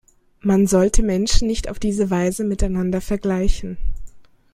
Man sollte Menschen nicht auf diese Weise miteinander vergleichen.